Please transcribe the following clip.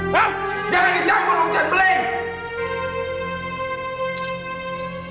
jangan dijamuk om jan beleng